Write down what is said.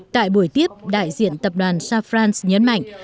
tại buổi tiếp đại diện tập đoàn sao france nhấn mạnh